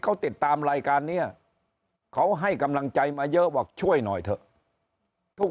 เขาติดตามรายการนี้เขาให้กำลังใจมาเยอะบอกช่วยหน่อยเถอะทุก